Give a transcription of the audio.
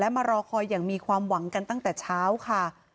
มารอคอยอย่างมีความหวังกันตั้งแต่เช้าค่ะ